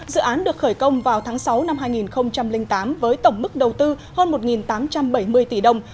dự án được khởi công vào tháng sáu năm hai nghìn tám với tổng mức đầu tư hơn một tám trăm bảy mươi tỷ đồng